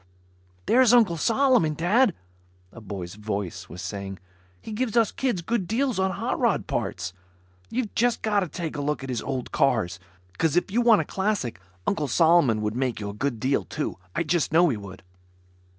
"There's Uncle Solomon, Dad," a boy's voice was saying. "He gives us kids good deals on hot rod parts. You've just gotta take a look at his old cars, 'cause if you want a classic Uncle Solomon would make you a good deal, too. I just know he would."